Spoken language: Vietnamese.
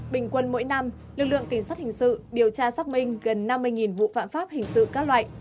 bình quân mỗi năm lực lượng kỳ sát hình sự điều tra xác minh gần năm mươi vụ phạm pháp hình sự các loại